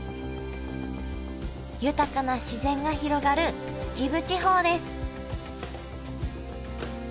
豊かな自然が広がる秩父地方です